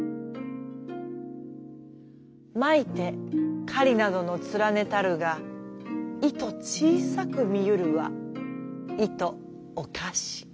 まいて雁などのつらねたるがいと小さく見ゆるはいとをかし。